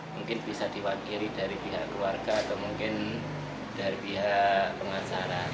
mungkin bisa diwakili dari pihak keluarga atau mungkin dari pihak pengacara